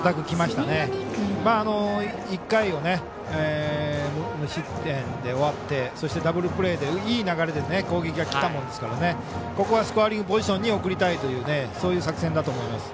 １回を無失点で終わってそしてダブルプレーでいい流れで攻撃がきたものですからここはスコアリングポジションに送りたいというそういう作戦だと思います。